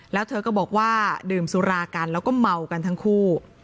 แล้วเธอก็บอกว่าดื่มสุรากันแล้วก็เมากันทั้งคู่